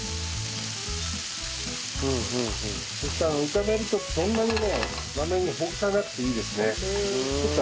炒める時そんなにねまめにほぐさなくていいですね。